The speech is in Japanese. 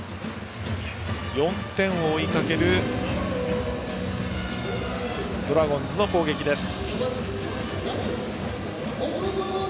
４点を追いかけるドラゴンズの攻撃です。